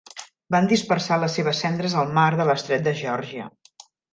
Van dispersar les seves cendres al mar de l'estret de Geòrgia.